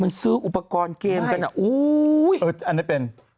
มันซื้ออุปกรณ์เกมกันอ่ะอุ้ยอันนั้นเป็น